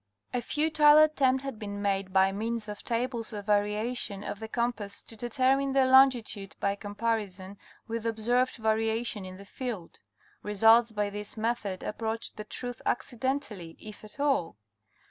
A futile attempt had been made by means of tables of varia tion of the compass to determine the longitude by comparison with observed variation in the field. Results by this method approached the truth accidentally, if at all.